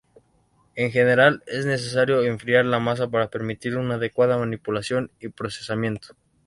En general, es necesario enfriar la masa para permitir una adecuada manipulación y procesamiento.